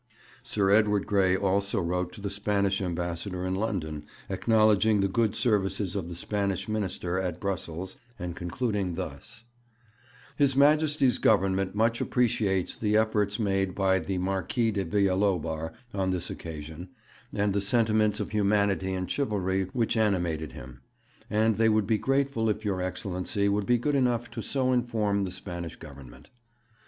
Sir Edward Grey also wrote to the Spanish Ambassador in London acknowledging the good services of the Spanish Minister at Brussels, and concluding thus: 'His Majesty's Government much appreciates the efforts made by the Marquis de Villalobar on this occasion, and the sentiments of humanity and chivalry which animated him, and they would be grateful if your Excellency would be good enough to so inform the Spanish Government.'